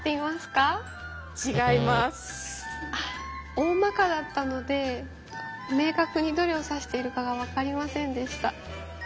おおまかだったのでめいかくにどれをさしているかがわかりませんでした。